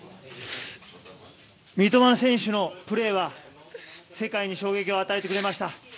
三笘選手のプレーは世界に衝撃を与えてくれました。